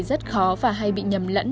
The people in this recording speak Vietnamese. rất khó và hay bị nhầm lẫn